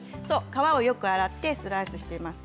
皮をよく洗ってスライスしています。